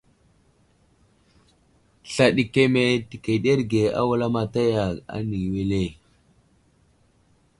Sla ɗi keme təkeɗerge a wulamataya ane wele.